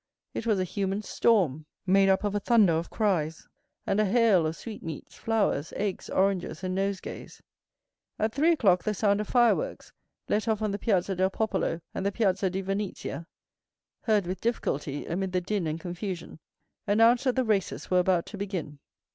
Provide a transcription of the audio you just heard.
It was a human storm, made up of a thunder of cries, and a hail of sweetmeats, flowers, eggs, oranges, and nosegays. At three o'clock the sound of fireworks, let off on the Piazza del Popolo and the Piazza di Venezia (heard with difficulty amid the din and confusion) announced that the races were about to begin.